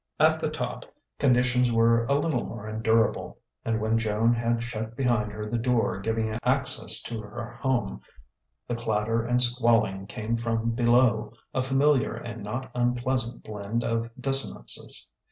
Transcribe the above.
At the top conditions were a little more endurable: and when Joan had shut behind her the door giving access to her home, the clatter and squalling came from below, a familiar and not unpleasant blend of dissonances.